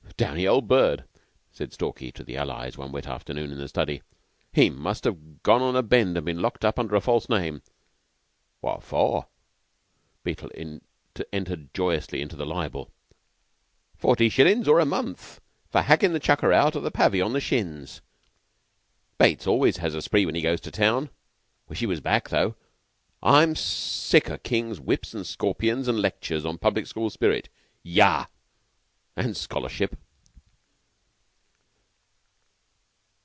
"Downy old bird!" said Stalky to the allies one wet afternoon in the study. "He must have gone on a bend and been locked up under a false name." "What for?" Beetle entered joyously into the libel. "Forty shillin's or a month for hackin' the chucker out of the Pavvy on the shins. Bates always has a spree when he goes to town. Wish he was back, though. I'm about sick o' King's 'whips an' scorpions' an' lectures on public school spirit yah! and scholarship!"